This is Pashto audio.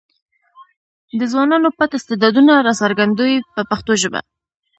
د ځوانانو پټ استعدادونه راڅرګندوي په پښتو ژبه.